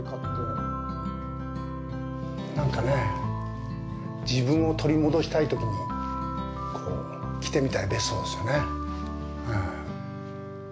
なんかね、自分を取り戻したいときに来てみたい別荘ですよね。